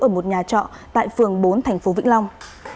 ở một nhà trọ tại phường bốn thành phố vĩnh long